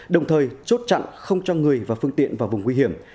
đồng thời chốt chặn không cho người và phương tiện vào vùng nguy hiểm